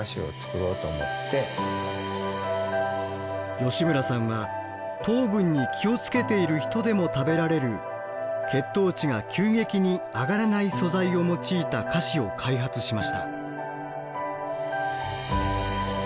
吉村さんは糖分に気を付けている人でも食べられる血糖値が急激に上がらない素材を用いた菓子を開発しました。